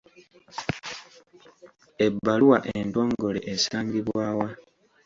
Ebbaluwa entongole esangibwa wa?